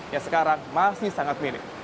yang sekarang masih sangat mirip